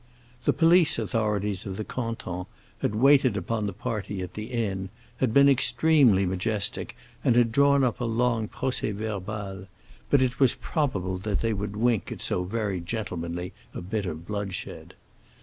The police authorities of the canton had waited upon the party at the inn, had been extremely majestic, and had drawn up a long procès verbal; but it was probable that they would wink at so very gentlemanly a bit of bloodshed.